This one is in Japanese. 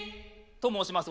「と申します」？